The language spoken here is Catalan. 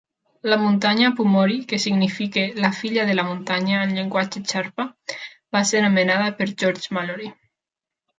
La muntanya Pumori, que significa "la filla de la muntanya" en llenguatge xerpa, va ser nomenada per George Mallory.